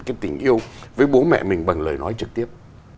cái tình yêu với bố mẹ mình bằng lời nói trực tiếp